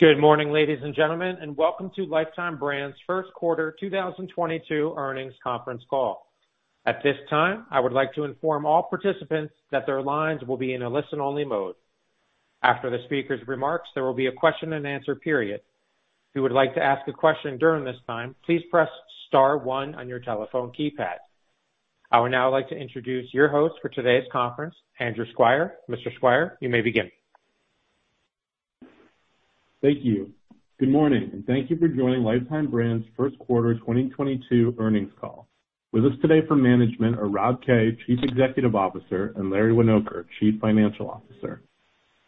Good morning, ladies and gentlemen, and welcome to Lifetime Brands' first quarter 2022 earnings conference call. At this time, I would like to inform all participants that their lines will be in a listen-only mode. After the speaker's remarks, there will be a question-and-answer period. If you would like to ask a question during this time, please press star one on your telephone keypad. I would now like to introduce your host for today's conference, Andrew Squire. Mr. Squire, you may begin. Thank you. Good morning, and thank you for joining Lifetime Brands' first quarter 2022 earnings call. With us today for management are Rob Kay, Chief Executive Officer, and Larry Winoker, Chief Financial Officer.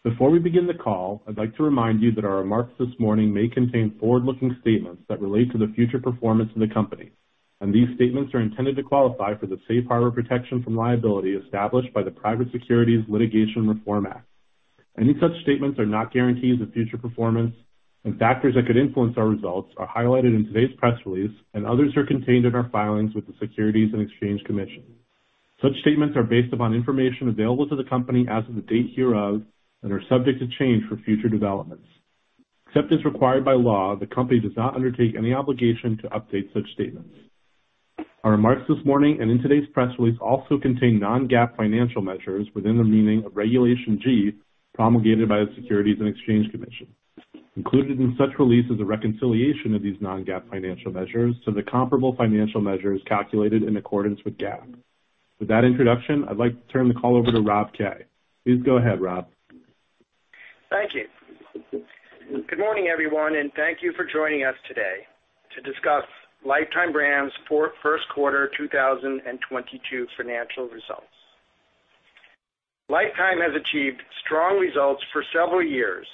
Before we begin the call, I'd like to remind you that our remarks this morning may contain forward-looking statements that relate to the future performance of the company, and these statements are intended to qualify for the safe harbor protection from liability established by the Private Securities Litigation Reform Act. Any such statements are not guarantees of future performance, and factors that could influence our results are highlighted in today's press release, and others are contained in our filings with the Securities and Exchange Commission. Such statements are based upon information available to the company as of the date hereof and are subject to change for future developments. Except as required by law, the company does not undertake any obligation to update such statements. Our remarks this morning and in today's press release also contain non-GAAP financial measures within the meaning of Regulation G promulgated by the Securities and Exchange Commission. Included in such release is a reconciliation of these non-GAAP financial measures to the comparable financial measures calculated in accordance with GAAP. With that introduction, I'd like to turn the call over to Rob Kay. Please go ahead, Rob. Thank you. Good morning, everyone, and thank you for joining us today to discuss Lifetime Brands' first quarter 2022 financial results. Lifetime has achieved strong results for several years,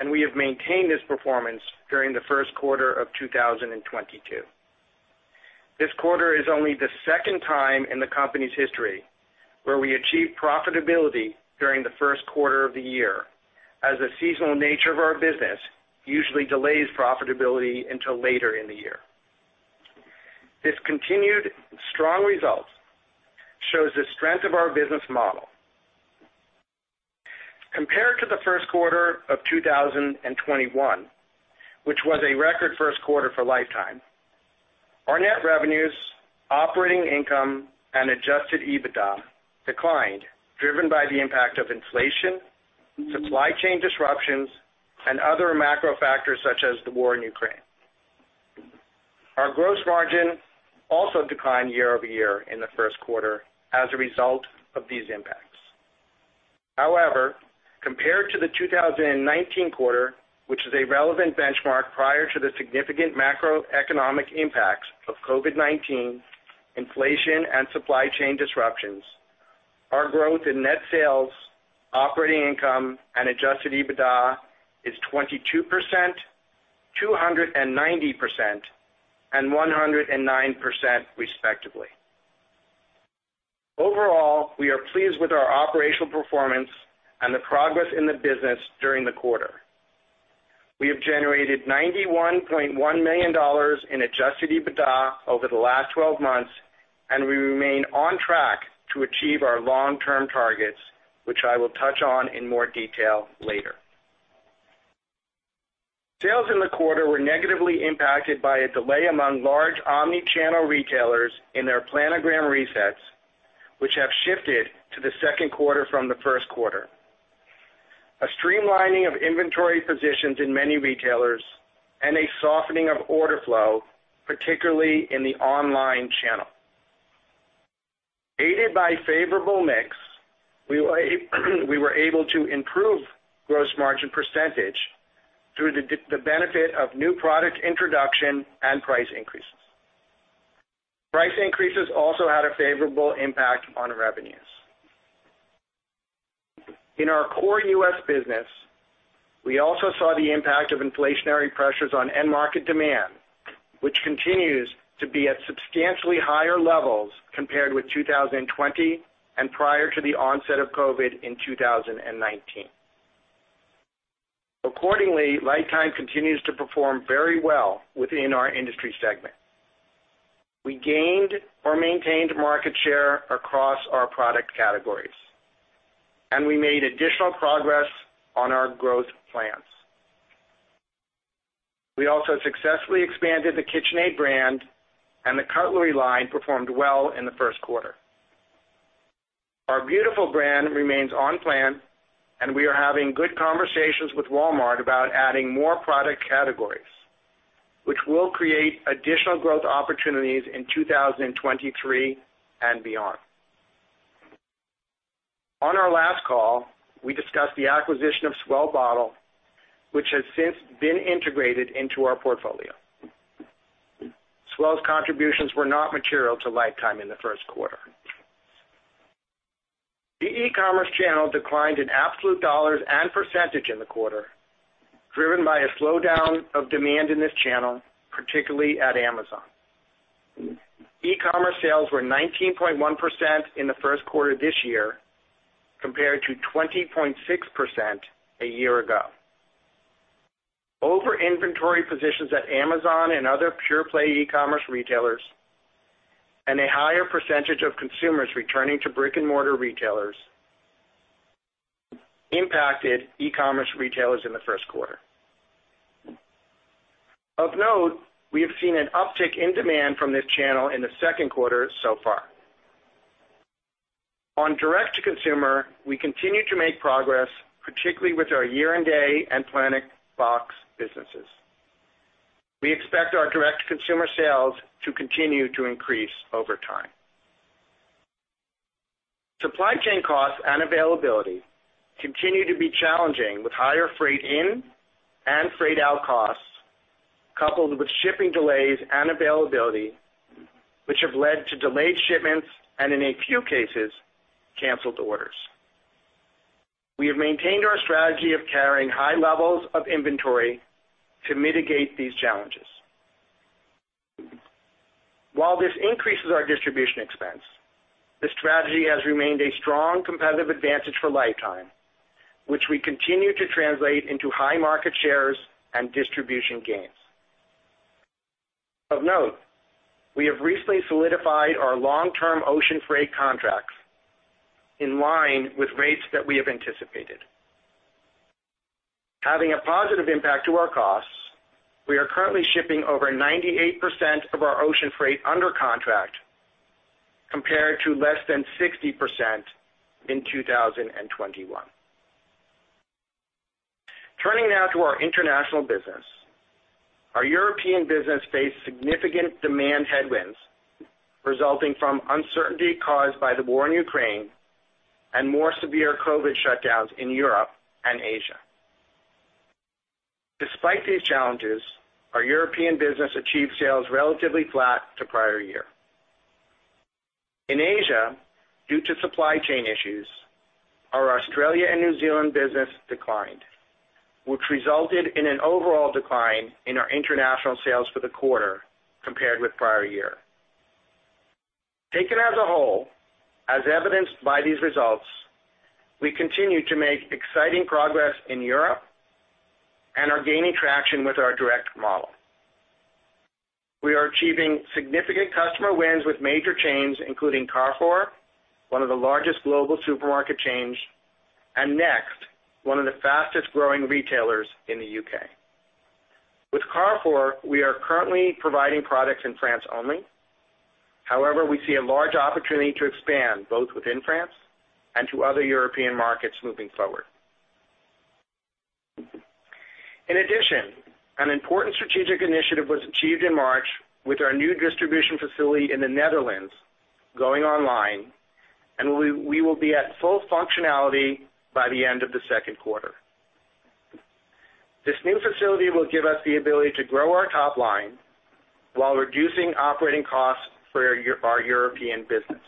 and we have maintained this performance during the first quarter of 2022. This quarter is only the second time in the company's history where we achieved profitability during the first quarter of the year, as the seasonal nature of our business usually delays profitability until later in the year. This continued strong result shows the strength of our business model. Compared to the first quarter of 2021, which was a record first quarter for Lifetime, our net revenues, operating income, and Adjusted EBITDA declined, driven by the impact of inflation, supply chain disruptions, and other macro factors such as the war in Ukraine. Our gross margin also declined year-over-year in the first quarter as a result of these impacts. However, compared to the 2019 quarter, which is a relevant benchmark prior to the significant macroeconomic impacts of COVID-19, inflation, and supply chain disruptions, our growth in net sales, operating income, and Adjusted EBITDA is 22%, 290%, and 109% respectively. Overall, we are pleased with our operational performance and the progress in the business during the quarter. We have generated $91.1 million in Adjusted EBITDA over the last 12 months, and we remain on track to achieve our long-term targets, which I will touch on in more detail later. Sales in the quarter were negatively impacted by a delay among large omni-channel retailers in their planogram resets, which have shifted to the second quarter from the first quarter, a streamlining of inventory positions in many retailers, and a softening of order flow, particularly in the online channel. Aided by favorable mix, we were able to improve gross margin percentage through the benefit of new product introduction and price increases. Price increases also had a favorable impact on revenues. In our core U.S. business, we also saw the impact of inflationary pressures on end market demand, which continues to be at substantially higher levels compared with 2020 and prior to the onset of COVID in 2019. Accordingly, Lifetime continues to perform very well within our industry segment. We gained or maintained market share across our product categories, and we made additional progress on our growth plans. We also successfully expanded the KitchenAid brand, and the cutlery line performed well in the first quarter. Our Beautiful brand remains on plan, and we are having good conversations with Walmart about adding more product categories, which will create additional growth opportunities in 2023 and beyond. On our last call, we discussed the acquisition of S'well bottle, which has since been integrated into our portfolio. S'well's contributions were not material to Lifetime in the first quarter. The e-commerce channel declined in absolute dollars and percentage in the quarter, driven by a slowdown of demand in this channel, particularly at Amazon. E-commerce sales were 19.1% in the first quarter this year compared to 20.6% a year ago. Over-inventory positions at Amazon and other pure-play e-commerce retailers, and a higher percentage of consumers returning to brick-and-mortar retailers impacted e-commerce retailers in the first quarter. Of note, we have seen an uptick in demand from this channel in the second quarter so far. On direct-to-consumer, we continue to make progress, particularly with our Year & Day and PlanetBox businesses. We expect our direct consumer sales to continue to increase over time. Supply chain costs and availability continue to be challenging, with higher freight in and freight out costs, coupled with shipping delays and availability, which have led to delayed shipments and in a few cases, canceled orders. We have maintained our strategy of carrying high levels of inventory to mitigate these challenges. While this increases our distribution expense, this strategy has remained a strong competitive advantage for Lifetime, which we continue to translate into high market shares and distribution gains. Of note, we have recently solidified our long-term ocean freight contracts in line with rates that we have anticipated. Having a positive impact to our costs, we are currently shipping over 98% of our ocean freight under contract, compared to less than 60% in 2021. Turning now to our international business. Our European business faced significant demand headwinds resulting from uncertainty caused by the war in Ukraine and more severe COVID shutdowns in Europe and Asia. Despite these challenges, our European business achieved sales relatively flat to prior year. In Asia, due to supply chain issues, our Australia and New Zealand business declined, which resulted in an overall decline in our international sales for the quarter compared with prior year. Taken as a whole, as evidenced by these results, we continue to make exciting progress in Europe and are gaining traction with our direct model. We are achieving significant customer wins with major chains, including Carrefour, one of the largest global supermarket chains, and Next, one of the fastest-growing retailers in the U.K. With Carrefour, we are currently providing products in France only. However, we see a large opportunity to expand both within France and to other European markets moving forward. In addition, an important strategic initiative was achieved in March with our new distribution facility in the Netherlands going online, and we will be at full functionality by the end of the second quarter. This new facility will give us the ability to grow our top line while reducing operating costs for our European business.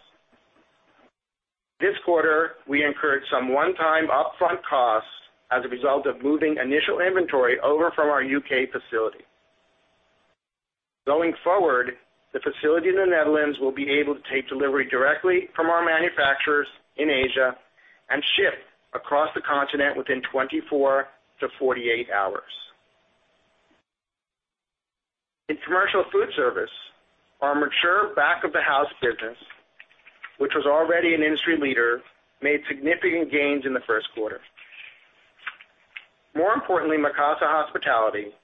This quarter, we incurred some one-time upfront costs as a result of moving initial inventory over from our UK facility. Going forward, the facility in the Netherlands will be able to take delivery directly from our manufacturers in Asia and ship across the continent within 24-48 hours. In commercial food service, our mature back-of-the-house business, which was already an industry leader, made significant gains in the first quarter. More importantly, Mikasa Hospitality,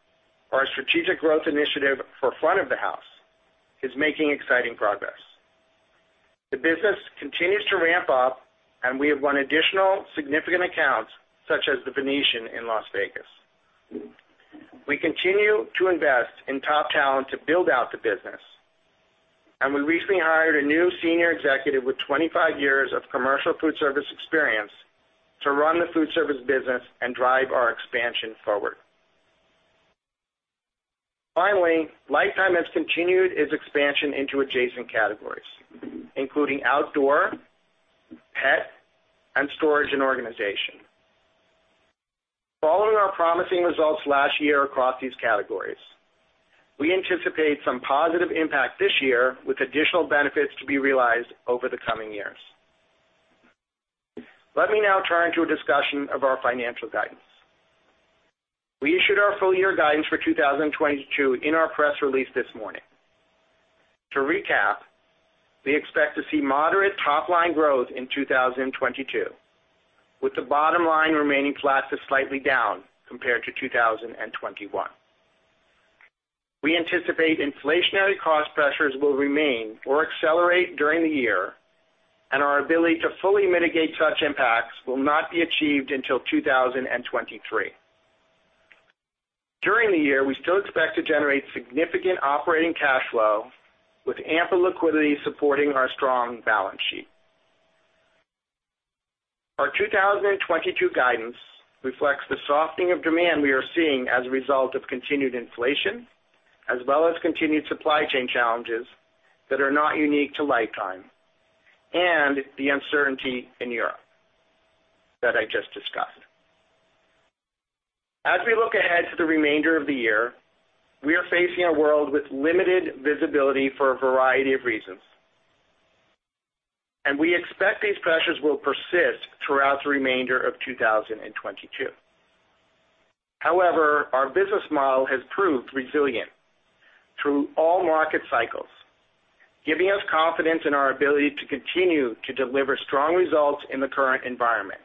our strategic growth initiative for front of the house, is making exciting progress. The business continues to ramp up, and we have won additional significant accounts such as The Venetian in Las Vegas. We continue to invest in top talent to build out the business, and we recently hired a new senior executive with 25 years of commercial food service experience to run the food service business and drive our expansion forward. Lifetime has continued its expansion into adjacent categories, including outdoor, pet, and storage and organization. Following our promising results last year across these categories, we anticipate some positive impact this year, with additional benefits to be realized over the coming years. Let me now turn to a discussion of our financial guidance. We issued our full-year guidance for 2022 in our press release this morning. To recap, we expect to see moderate top-line growth in 2022, with the bottom line remaining flat to slightly down compared to 2021. We anticipate inflationary cost pressures will remain or accelerate during the year, and our ability to fully mitigate such impacts will not be achieved until 2023. During the year, we still expect to generate significant operating cash flow with ample liquidity supporting our strong balance sheet. Our 2022 guidance reflects the softening of demand we are seeing as a result of continued inflation, as well as continued supply chain challenges that are not unique to Lifetime and the uncertainty in Europe that I just discussed. As we look ahead to the remainder of the year, we are facing a world with limited visibility for a variety of reasons. We expect these pressures will persist throughout the remainder of 2022. However, our business model has proved resilient through all market cycles, giving us confidence in our ability to continue to deliver strong results in the current environment.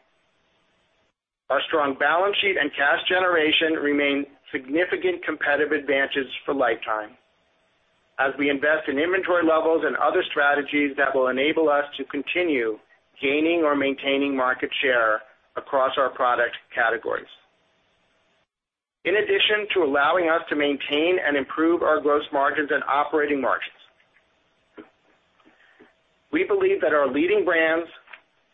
Our strong balance sheet and cash generation remain significant competitive advantages for Lifetime as we invest in inventory levels and other strategies that will enable us to continue gaining or maintaining market share across our product categories. In addition to allowing us to maintain and improve our gross margins and operating margins, we believe that our leading brands,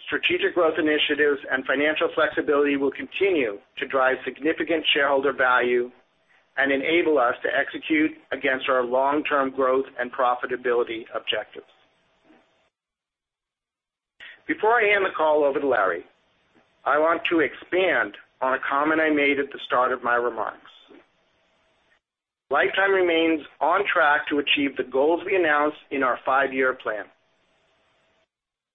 strategic growth initiatives, and financial flexibility will continue to drive significant shareholder value and enable us to execute against our long-term growth and profitability objectives. Before I hand the call over to Larry, I want to expand on a comment I made at the start of my remarks. Lifetime remains on track to achieve the goals we announced in our five-year plan.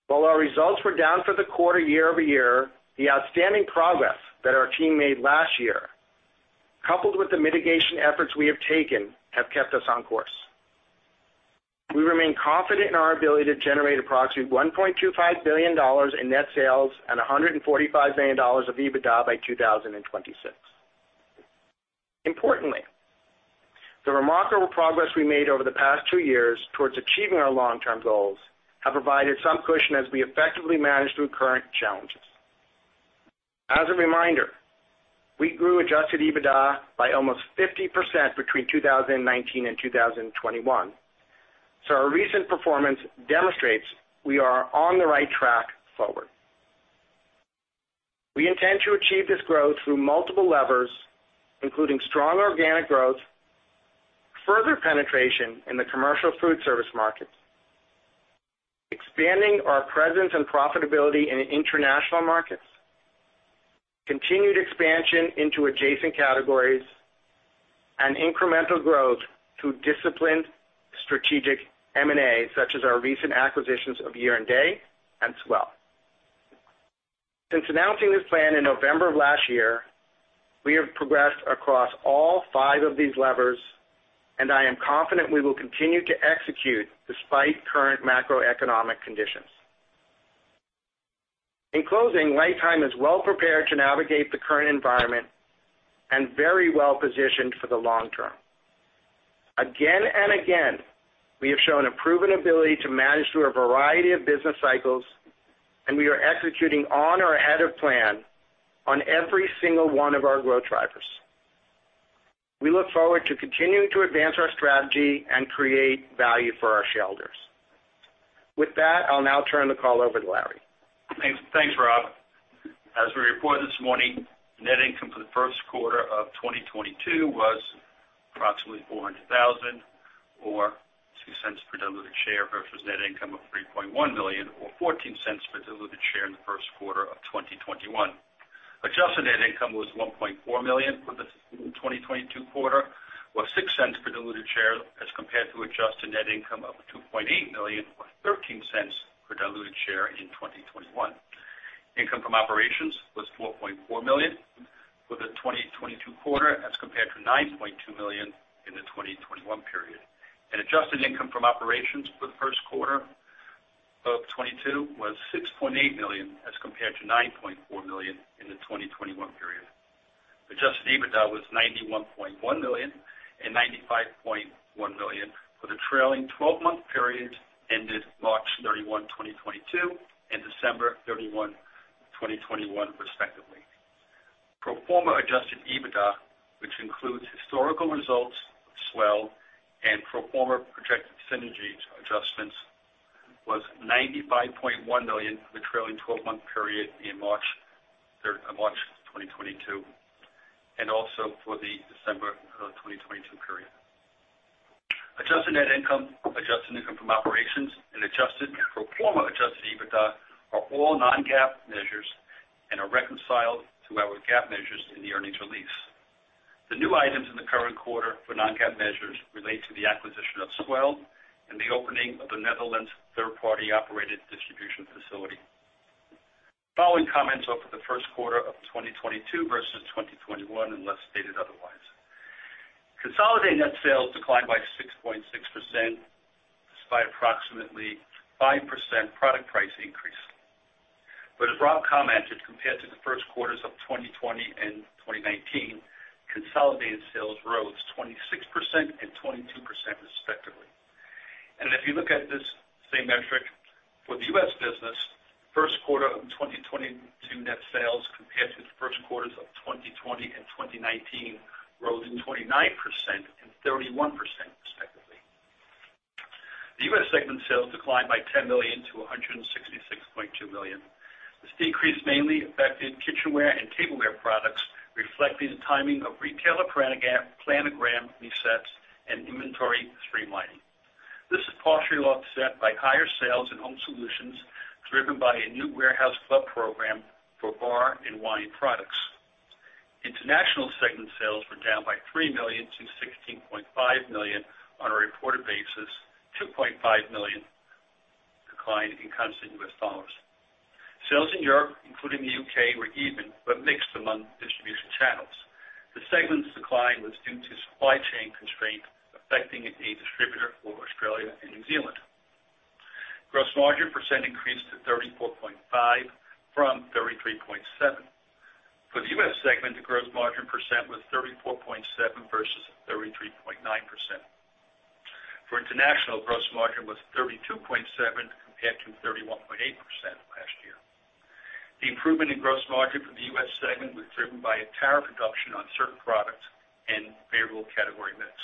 While our results were down for the quarter year-over-year, the outstanding progress that our team made last year, coupled with the mitigation efforts we have taken, have kept us on course. We remain confident in our ability to generate approximately $1.25 billion in net sales and $145 million of EBITDA by 2026. Importantly, the remarkable progress we made over the past two years towards achieving our long-term goals have provided some cushion as we effectively manage through current challenges. As a reminder, we grew Adjusted EBITDA by almost 50% between 2019 and 2021. Our recent performance demonstrates we are on the right track forward. We intend to achieve this growth through multiple levers, including strong organic growth, further penetration in the commercial food service market, expanding our presence and profitability in international markets, continued expansion into adjacent categories, and incremental growth through disciplined strategic M&A, such as our recent acquisitions of Year & Day and S'well. Since announcing this plan in November of last year, we have progressed across all five of these levers, and I am confident we will continue to execute despite current macroeconomic conditions. In closing, Lifetime is well-prepared to navigate the current environment and very well-positioned for the long term. Again and again, we have shown a proven ability to manage through a variety of business cycles, and we are executing on or ahead of plan on every single one of our growth drivers. We look forward to continuing to advance our strategy and create value for our shareholders. With that, I'll now turn the call over to Larry. Thanks, Rob. As we reported this morning, net income for the first quarter of 2022 was approximately $400,000 or $0.02 per diluted share versus net income of $3.1 million or $0.14 per diluted share in the first quarter of 2021. Adjusted net income was $1.4 million for the 2022 quarter, or $0.06 per diluted share as compared to adjusted net income of $2.8 million, or $0.13 per diluted share in 2021. Income from operations was $4.4 million for the 2022 quarter as compared to $9.2 million in the 2021 period. Adjusted income from operations for the first quarter of 2022 was $6.8 million as compared to $9.4 million in the 2021 period. Adjusted EBITDA was $91.1 million and $95.1 million for the trailing 12-month period ended March 31, 2022, and December 31, 2021, respectively. Pro forma Adjusted EBITDA, which includes historical results of S'well and Pro Forma projected synergy adjustments, was $95.1 million for the trailing 12-month period ending March 2022, and also for the December 2022 period. Adjusted net income, adjusted income from operations, and adjusted pro forma Adjusted EBITDA are all non-GAAP measures and are reconciled to our GAAP measures in the earnings release. The new items in the current quarter for non-GAAP measures relate to the acquisition of S'well and the opening of the Netherlands third-party operated distribution facility. The following comments are for the first quarter of 2022 versus 2021, unless stated otherwise. Consolidated net sales declined by 6.6%, despite approximately 5% product price increase. As Rob commented, compared to the first quarters of 2020 and 2019, consolidated sales rose 26% and 22% respectively. If you look at this same metric for the U.S. business, first quarter of 2022 net sales compared to the first quarters of 2020 and 2019 rose 29% and 31% respectively. The U.S. segment sales declined by $10 million to $166.2 million. This decrease mainly affected kitchenware and tableware products, reflecting the timing of retailer planogram resets and inventory streamlining. This is partially offset by higher sales in Home Solutions, driven by a new warehouse club program for bar and wine products. International segment sales were down by $3 million to $16.5 million on a reported basis, $2.5 million decline in constant U.S. dollars. Sales in Europe, including the U.K., were even but mixed among distribution channels. The segment's decline was due to supply chain constraints affecting a distributor for Australia and New Zealand. Gross margin % increased to 34.5% from 33.7%. For the U.S. segment, the gross margin % was 34.7% versus 33.9%. For international, gross margin was 32.7% compared to 31.8% last year. The improvement in gross margin for the U.S. segment was driven by a tariff reduction on certain products and favorable category mix.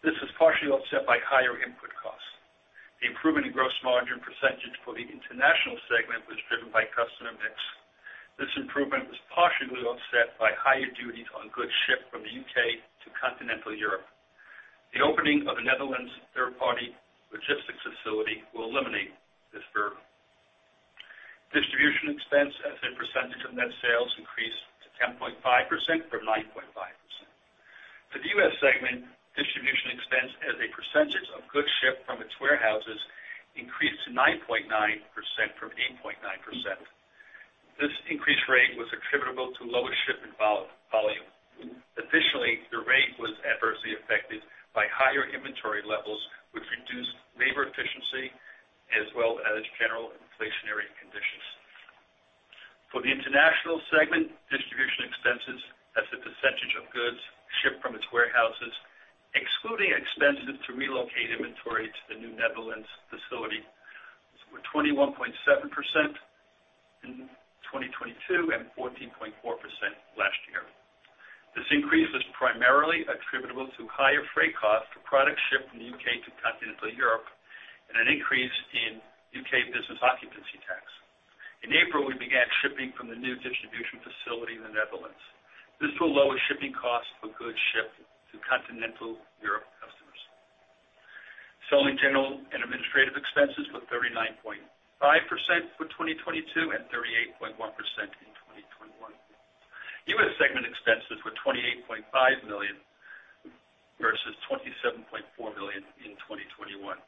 This was partially offset by higher input costs. The improvement in gross margin percentage for the international segment was driven by customer mix. This improvement was partially offset by higher duties on goods shipped from the U.K. to continental Europe. The opening of the Netherlands third-party logistics facility will eliminate this burden. Distribution expense as a percentage of net sales increased to 10.5% from 9.5%. For the U.S. segment, distribution expense as a percentage of goods shipped from its warehouses increased to 9.9% from 8.9%. This increased rate was attributable to lower shipment volume. Additionally, the rate was adversely affected by higher inventory levels, which reduced labor efficiency as well as general inflationary conditions. For the international segment, distribution expenses as a percentage of goods shipped from its warehouses, excluding expenses to relocate inventory to the new Netherlands facility, were 21.7% in 2022 and 14.4% last year. This increase was primarily attributable to higher freight costs for products shipped from the UK to continental Europe and an increase in UK business occupancy tax. In April, we began shipping from the new distribution facility in the Netherlands. This will lower shipping costs for goods shipped to continental Europe customers. Selling, general, and administrative expenses were 39.5% for 2022 and 38.1% in 2021. US segment expenses were $28.5 million versus $27.4 million in 2021.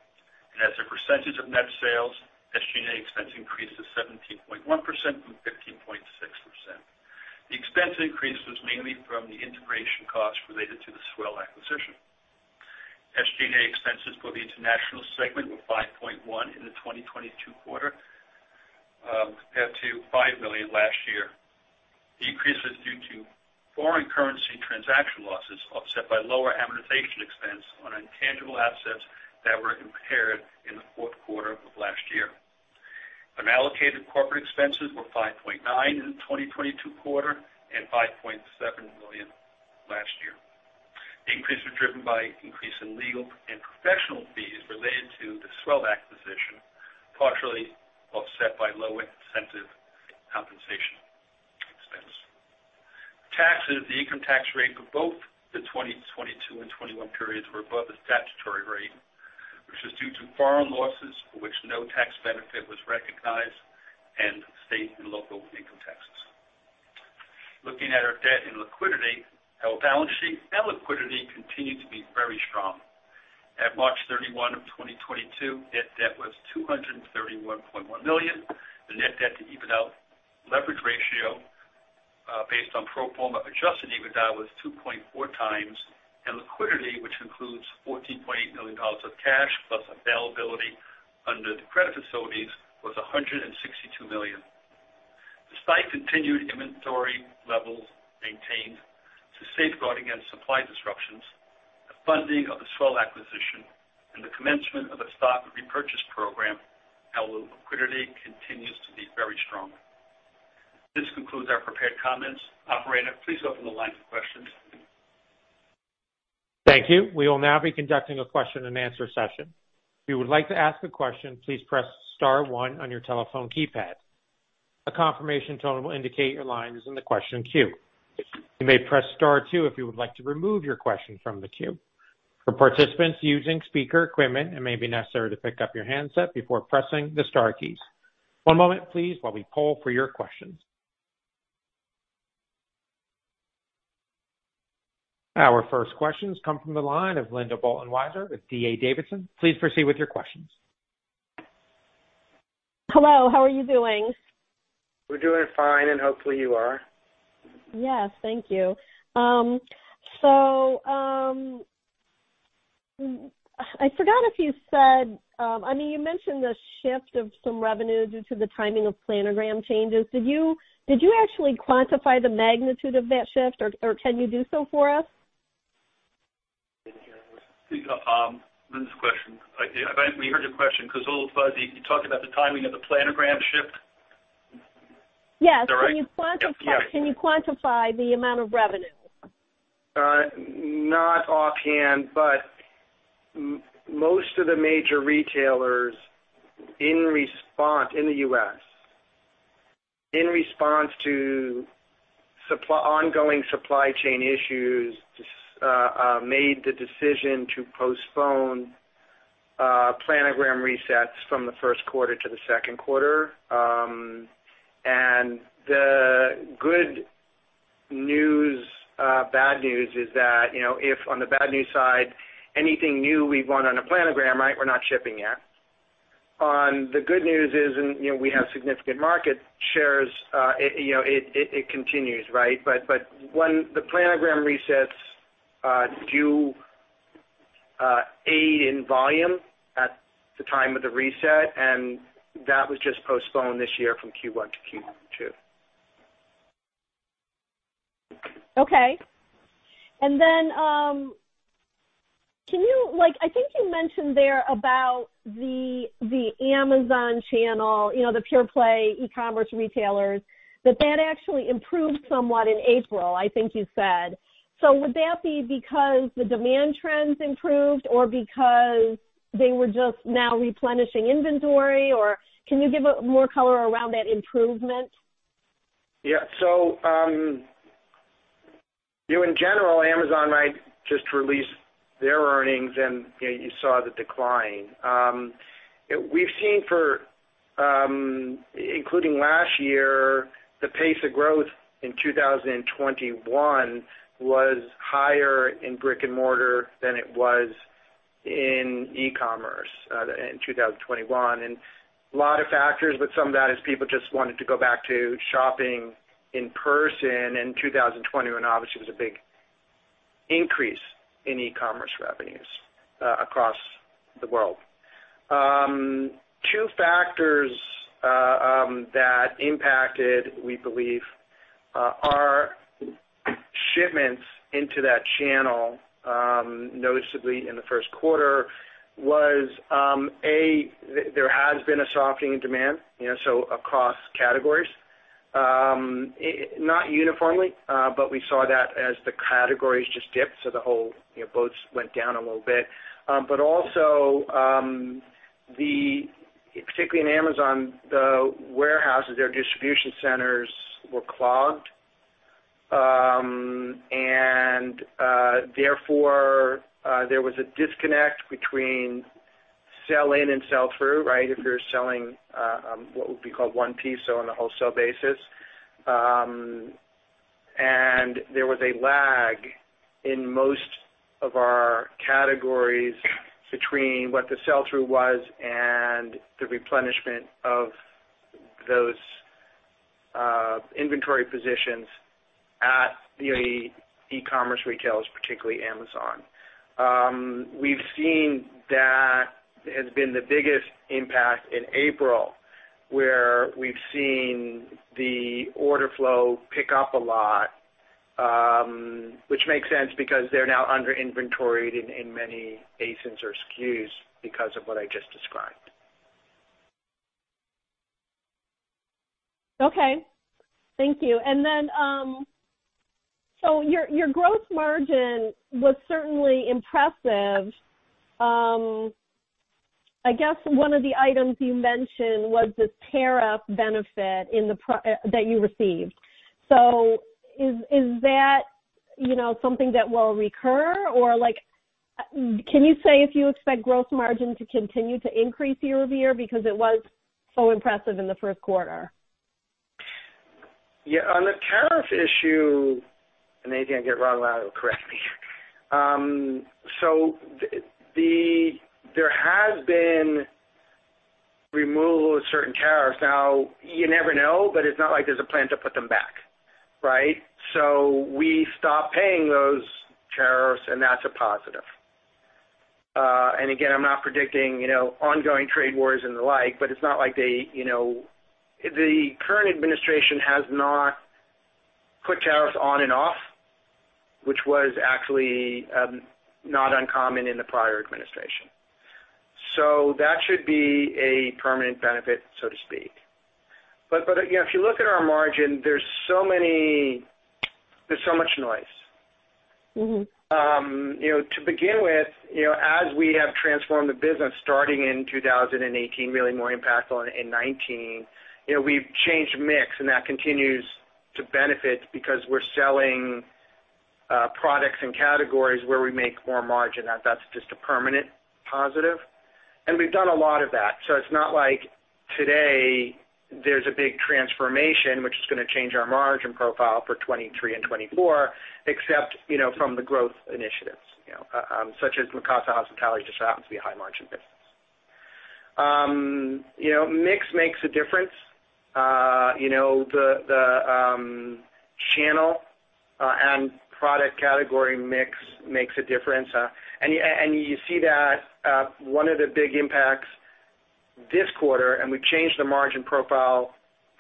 As a percentage of net sales, SG&A expense increased to 17.1% from 15.6%. The expense increase was mainly from the integration costs related to the S'well acquisition. SG&A expenses for the international segment were $5.1 million in the 2022 quarter, compared to $5 million last year. The increase is due to foreign currency transaction losses offset by lower amortization expense on intangible assets that were impaired in the fourth quarter of last year. Unallocated corporate expenses were $5.9 million in the 2022 quarter and $5.7 million last year. The increase was driven by increase in legal and professional fees related to the S'well acquisition, partially offset by lower incentive compensation expense. Taxes. The income tax rate for both the 2022 and 2021 periods were above the statutory rate, which was due to foreign losses for which no tax benefit was recognized, and state and local income taxes. Looking at our debt and liquidity. Our balance sheet and liquidity continued to be very strong. At March 31, 2022, net debt was $231.1 million. The net debt to EBITDA leverage ratio, based on pro forma Adjusted EBITDA was 2.4x. Liquidity, which includes $14.8 million of cash, plus availability under the credit facilities, was $162 million. Despite continued inventory levels maintained to safeguard against supply disruptions, the funding of the S'well acquisition and the commencement of the stock repurchase program, our liquidity continues to be very strong. This concludes our prepared comments. Operator, please open the line for questions. Thank you. We will now be conducting a question-and-answer session. If you would like to ask a question, please press star one on your telephone keypad. A confirmation tone will indicate your line is in the question queue. You may press star two if you would like to remove your question from the queue. For participants using speaker equipment, it may be necessary to pick up your handset before pressing the star keys. One moment, please, while we poll for your questions. Our first questions come from the line of Linda Bolton-Weiser with DA Davidson. Please proceed with your questions. Hello, how are you doing? We're doing fine, and hopefully you are. Yes, thank you. I forgot if you said, I mean, you mentioned the shift of some revenue due to the timing of planogram changes. Did you actually quantify the magnitude of that shift or can you do so for us? Linda's question. We heard your question, it was a little fuzzy. You talked about the timing of the planogram shift. Yes. Correct? Can you quantify? Yeah. Yeah. Can you quantify the amount of revenue? Not offhand, but most of the major retailers in the US, in response to ongoing supply chain issues, made the decision to postpone. Planogram resets from the first quarter to the second quarter. The good news, bad news is that, you know, if on the bad news side, anything new we want on a planogram, right, we're not shipping yet. On the good news side is, you know, we have significant market shares, you know, it continues, right? When the planogram resets does aid in volume at the time of the reset, and that was just postponed this year from Q1-Q2. Okay. I think you mentioned there about the Amazon channel, you know, the pure play e-commerce retailers, that actually improved somewhat in April, I think you said. Would that be because the demand trends improved or because they were just now replenishing inventory? Can you give more color around that improvement? Yeah. You know, in general, Amazon, right, just released their earnings, and, you know, you saw the decline. We've seen for, including last year, the pace of growth in 2021 was higher in brick-and-mortar than it was in e-commerce, in 2021. A lot of factors, but some of that is people just wanted to go back to shopping in person in 2020 when obviously there was a big increase in e-commerce revenues, across the world. Two factors, that impacted, we believe, our shipments into that channel, noticeably in the first quarter was, A, there has been a softening in demand, you know, so across categories. Not uniformly, but we saw that as the categories just dipped, so the whole, you know, boats went down a little bit. Also, particularly in Amazon, the warehouses, their distribution centers were clogged. Therefore, there was a disconnect between sell in and sell through, right? If you're selling what would be called one piece, so on a wholesale basis. There was a lag in most of our categories between what the sell-through was and the replenishment of those inventory positions at the e-commerce retailers, particularly Amazon. We've seen that has been the biggest impact in April, where we've seen the order flow pick up a lot, which makes sense because they're now under inventoried in many ASINs or SKUs because of what I just described. Okay. Thank you. Your gross margin was certainly impressive. I guess one of the items you mentioned was the tariff benefit that you received. Is that, you know, something that will recur? Or, like, can you say if you expect gross margin to continue to increase year-over-year because it was so impressive in the first quarter? Yeah. On the tariff issue and AD, if I get it wrong, allow me to correct myself. There has been removal of certain tariffs. Now, you never know, but it's not like there's a plan to put them back, right? We stopped paying those tariffs, and that's a positive. Again, I'm not predicting, you know, ongoing trade wars and the like, but it's not like they, you know. The current administration has not put tariffs on and off, which was actually not uncommon in the prior administration. That should be a permanent benefit, so to speak. You know, if you look at our margin, there's so much noise. Mm-hmm. To begin with, you know, as we have transformed the business starting in 2018, really more impactful in 2019, you know, we've changed mix, and that continues to benefit because we're selling products and categories where we make more margin. That's just a permanent positive. We've done a lot of that. It's not like today there's a big transformation which is gonna change our margin profile for 2023 and 2024, except, you know, from the growth initiatives, you know, such as Mikasa Hospitality just happens to be a high margin business. You know, mix makes a difference. You know, the channel and product category mix makes a difference. You see that one of the big impacts this quarter, and we've changed the margin profile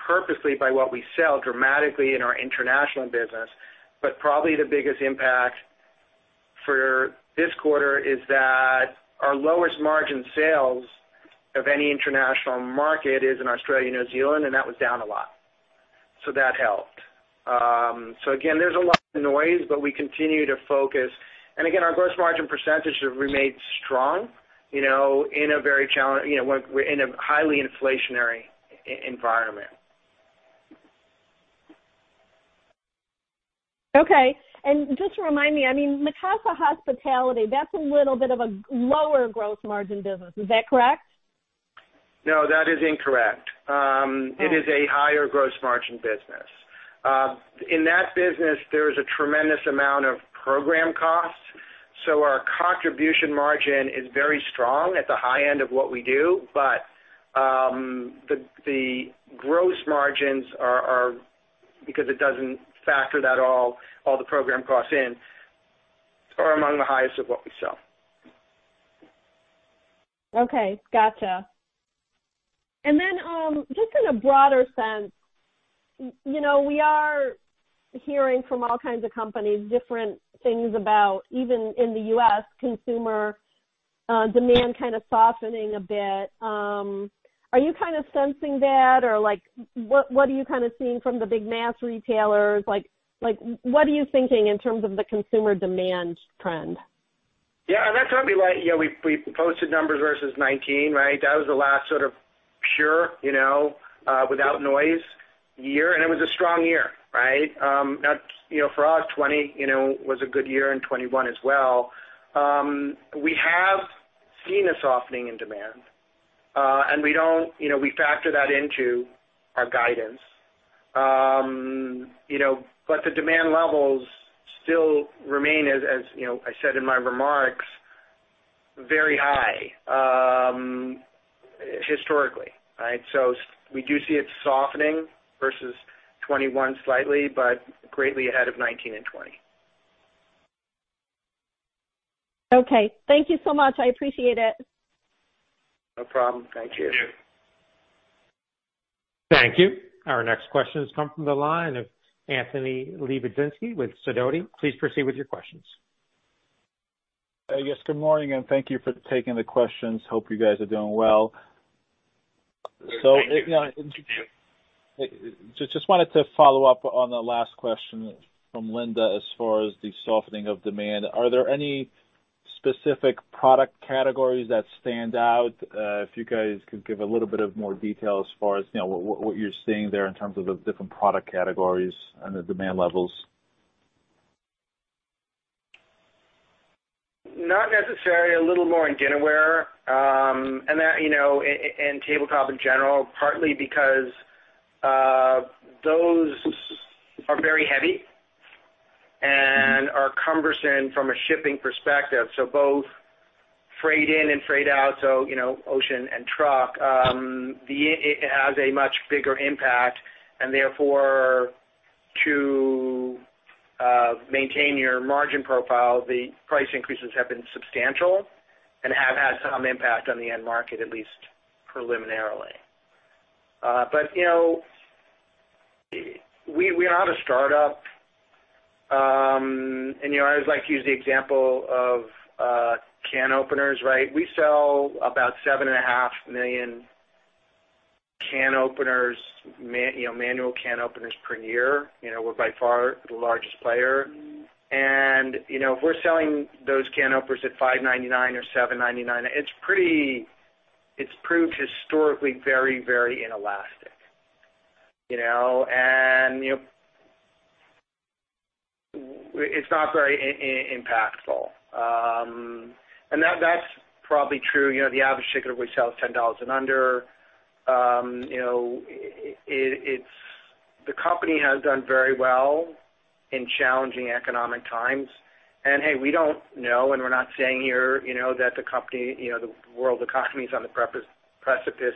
purposely by what we sell dramatically in our international business. Probably the biggest impact for this quarter is that our lowest margin sales of any international market is in Australia, New Zealand, and that was down a lot. That helped. Again, there's a lot of noise, but we continue to focus. Again, our gross margin percentage have remained strong, you know, you know, we're in a highly inflationary environment. Okay. Just to remind me, I mean, Mikasa Hospitality, that's a little bit of a lower gross margin business. Is that correct? No, that is incorrect. It is a higher gross margin business. In that business, there is a tremendous amount of program costs, so our contribution margin is very strong at the high end of what we do. The gross margins are because it doesn't factor that all the program costs in are among the highest of what we sell. Okay. Gotcha. Just in a broader sense, you know, we are hearing from all kinds of companies different things about even in the U.S., consumer demand kind of softening a bit. Are you kind of sensing that? Or like, what are you kind of seeing from the big mass retailers? Like what are you thinking in terms of the consumer demand trend? Yeah. That's something like, you know, we posted numbers versus 2019, right? That was the last sort of pure, you know, without noise year, and it was a strong year, right? Now, you know, for us, 2020, you know, was a good year and 2021 as well. We have seen a softening in demand, and we don't. You know, we factor that into our guidance. You know, but the demand levels still remain as you know I said in my remarks, very high, historically, right? We do see it softening versus 2021 slightly, but greatly ahead of 2019 and 2020. Okay. Thank you so much. I appreciate it. No problem. Thank you. Thank you. Our next question has come from the line of Anthony Lebiedzinski with Sidoti. Please proceed with your questions. Yes, Good morning, and thank you for taking the questions. Hope you guys are doing well. Thank you. You know, just wanted to follow up on the last question from Linda as far as the softening of demand. Are there any specific product categories that stand out? If you guys could give a little bit more detail as far as, you know, what you're seeing there in terms of the different product categories and the demand levels? Not necessarily. A little more in dinnerware, and that, you know, and tabletop in general, partly because those are very heavy and are cumbersome from a shipping perspective. Both freight in and freight out, you know, ocean and truck, it has a much bigger impact and therefore to maintain your margin profile, the price increases have been substantial and have had some impact on the end market, at least preliminarily. You know, we are not a startup. You know, I always like to use the example of can openers, right? We sell about 7.5 million can openers, you know, manual can openers per year. You know, we're by far the largest player. You know, if we're selling those can openers at $5.99 or $7.99, it's proved historically very, very inelastic, you know. You know, it's not very impactful. That's probably true. You know, the average ticket we sell is $10 and under. You know, the company has done very well in challenging economic times. Hey, we don't know, and we're not saying here, you know, that the company, you know, the world economy is on the precipice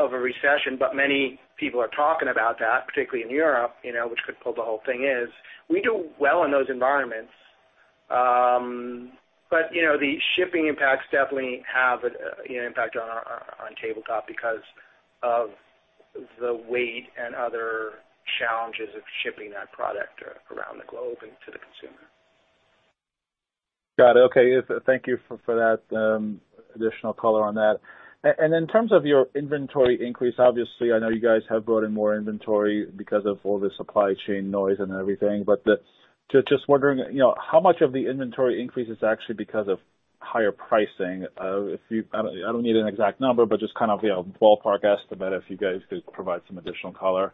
of a recession, but many people are talking about that, particularly in Europe, you know, which could pull the whole thing down. We do well in those environments. You know, the shipping impacts definitely have you know, impact on our tabletop because of the weight and other challenges of shipping that product around the globe and to the consumer. Got it. Okay. Thank you for that additional color on that. In terms of your inventory increase, obviously I know you guys have brought in more inventory because of all the supply chain noise and everything, but just wondering, you know, how much of the inventory increase is actually because of higher pricing? I don't need an exact number, but just kind of, you know, ballpark estimate, if you guys could provide some additional color.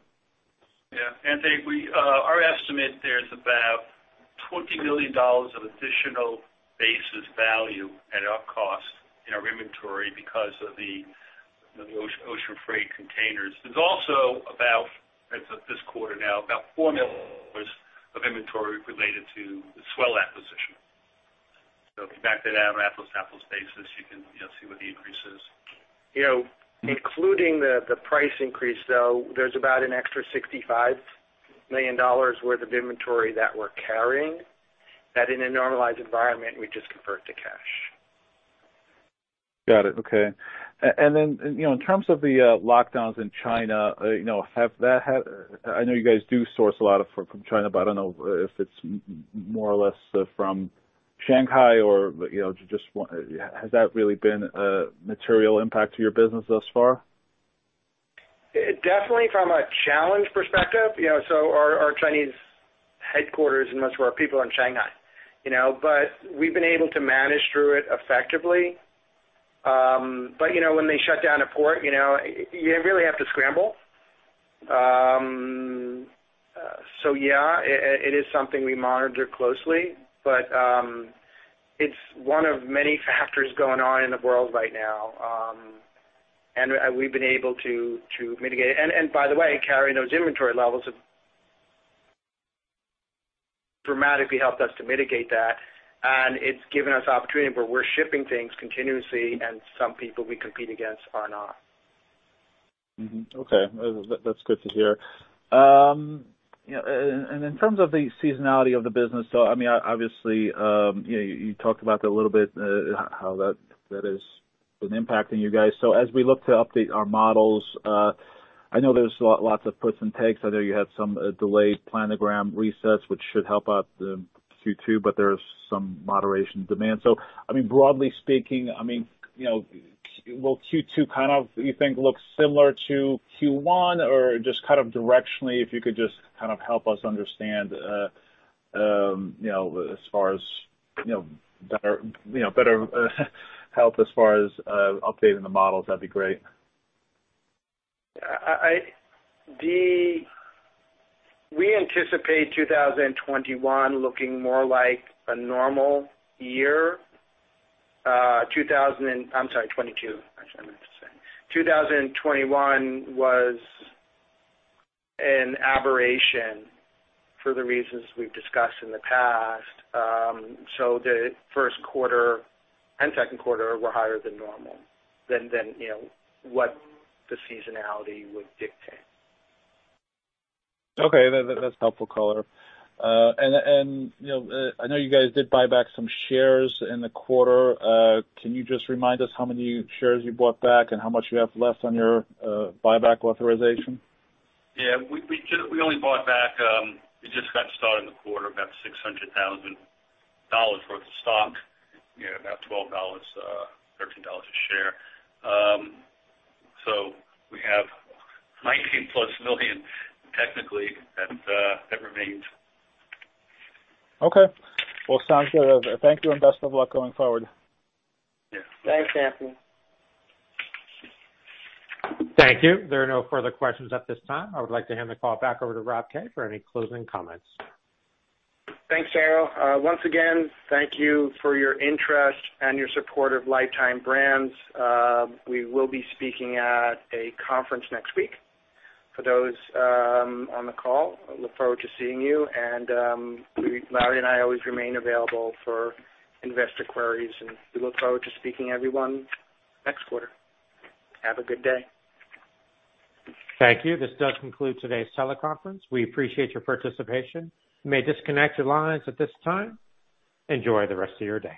Yeah. Anthony, we our estimate there is about $20 million of additional basis value at our cost in our inventory because of the ocean freight containers. There's also about, as of this quarter now, about $4 million of inventory related to the S'well acquisition. If you back that out on apples-to-apples basis, you can, you know, see what the increase is. You know, including the price increase, though, there's about an extra $65 million worth of inventory that we're carrying that in a normalized environment we'd just convert to cash. Got it. Okay. You know, in terms of the lockdowns in China, you know, have they had? I know you guys do source a lot from China, but I don't know if it's more or less from Shanghai or, you know, just one. Has that really been a material impact to your business thus far? Definitely from a challenge perspective. You know, our Chinese headquarters and most of our people are in Shanghai, you know. We've been able to manage through it effectively. You know, when they shut down a port, you know, you really have to scramble. It is something we monitor closely, but it's one of many factors going on in the world right now, and we've been able to mitigate it. By the way, carrying those inventory levels have dramatically helped us to mitigate that, and it's given us opportunity where we're shipping things continuously and some people we compete against are not. Okay. That's good to hear. You know, in terms of the seasonality of the business, I mean, obviously, you know, you talked about that a little bit, how that has been impacting you guys. As we look to update our models, I know there's lots of puts and takes. I know you had some delayed planogram resets, which should help out in Q2, but there's some moderation in demand. Broadly speaking, I mean, you know, will Q2 kind of you think look similar to Q1 or just kind of directionally, if you could just kind of help us understand, you know, as far as better help as far as updating the models, that'd be great. We anticipate 2021 looking more like a normal year. I'm sorry, 2022, actually, I meant to say. 2021 was an aberration for the reasons we've discussed in the past. The first quarter and second quarter were higher than normal than you know what the seasonality would dictate. Okay. That's helpful color. You know, I know you guys did buy back some shares in the quarter. Can you just remind us how many shares you bought back and how much you have left on your buyback authorization? Yeah. We only bought back, we just got started in the quarter, about $600,000 worth of stock. Yeah, about $12, $13 a share. We have $19+ million technically that remains. Okay. Well, sounds good. Thank you, and best of luck going forward. Yeah. Thanks, Anthony. Thank you. There are no further questions at this time. I would like to hand the call back over to Rob Kay for any closing comments. Thanks, Darryl. Once again, thank you for your interest and your support of Lifetime Brands. We will be speaking at a conference next week. For those on the call, I look forward to seeing you. We, Larry and I always remain available for investor queries, and we look forward to speaking to everyone next quarter. Have a good day. Thank you. This does conclude today's teleconference. We appreciate your participation. You may disconnect your lines at this time. Enjoy the rest of your day.